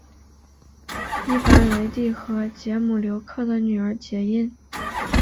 伊凡雷帝和捷姆留克的女儿结姻。